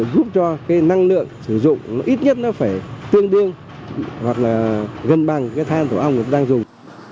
giúp cho cái năng lượng sử dụng nó ít nhất nó phải tương đương hoặc là gần bằng cái than của ong đang dùng